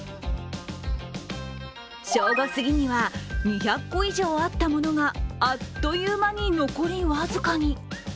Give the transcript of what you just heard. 正午すぎには２００個以上あったものが、あっという間に残り僅かに。